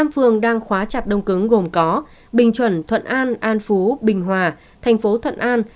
năm phường đang khóa chặt đông cứng gồm có bình chuẩn thuận an an phú bình hòa thành phố thuận an